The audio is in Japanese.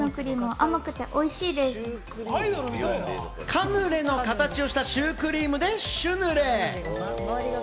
カヌレの形をしたシュークリームでシュヌレ。